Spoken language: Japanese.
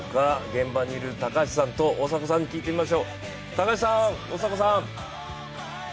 現場にいる高橋さんと大迫さんに聞いてみましょう。